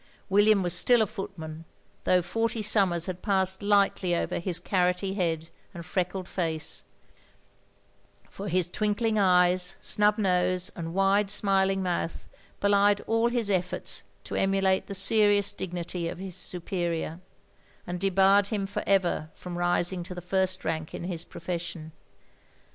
William was still a footman, though forty summers had passed lightly over his carroty head and freckled face; for his twinkling eyes, snub nose, and wide smiling mouth belied all his efforts to emulate the serious dignity of his superior, and debarred him for ever from rising to the first rank in his profession.